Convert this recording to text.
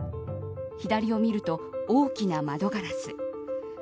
左を見ると大きな窓ガラス。